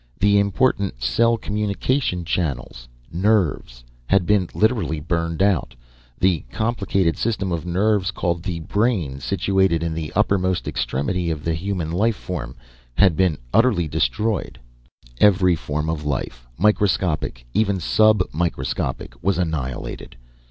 The important cell communication channels nerves had been literally burned out. The complicated system of nerves, called the brain, situated in the uppermost extremity of the human life form, had been utterly destroyed. Every form of life, microscopic, even sub microscopic, was annihilated.